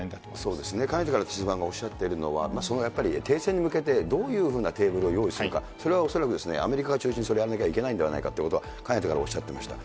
そうですね、かねてから手嶋さんがおっしゃっているのは、やっぱり停戦に向けて、どういうふうなテーブルを用意するか、それは恐らくですね、アメリカが中心に、それをやんなきゃいけないんだということは、かねてからおっしゃってました。